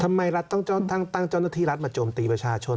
รัฐต้องตั้งเจ้าหน้าที่รัฐมาโจมตีประชาชน